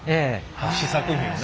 試作品をね。